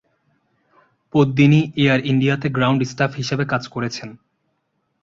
পদ্মিনী 'এয়ার ইন্ডিয়া' তে ground staff হিসেবে কাজ করেছেন।